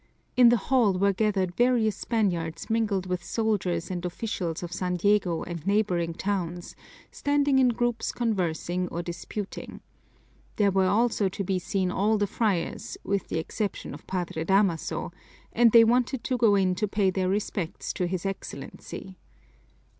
In the hall were gathered various Spaniards mingled with soldiers and officials of San Diego and neighboring towns, standing in groups conversing or disputing. There were also to be seen all the friars, with the exception of Padre Damaso, and they wanted to go in to pay their respects to his Excellency.